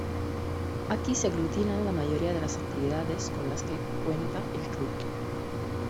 Aquí se aglutinan la mayoría de las actividades con las que cuenta el club.